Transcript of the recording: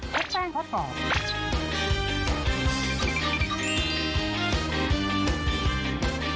ทดแป้งทดกรอบ